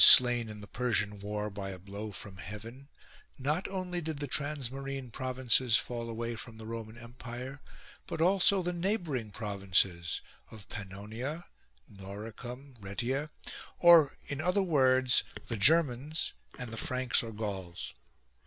slain in the Persian war by a blow from heaven, not only did the transmarine provinces fall away from the Roman Empire, but also the neighbouring provinces of Pannonia, Noricum, Rhaetia, or in other words the Germans and the Franks or Gauls.